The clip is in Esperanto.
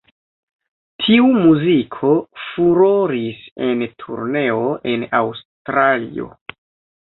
Tiu muziko furoris en turneo en Aŭstralio.